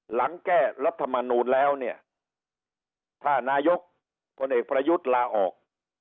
หลังแก้รัฐมนูลแล้วเนี่ยถ้านายกพลเอกประยุทธ์ลาออก